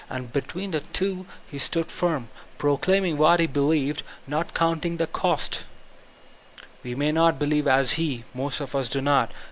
And between the two he stood finn, proclaiming what he believed, not counting the cost Wc may not believe as he ; most of us do not.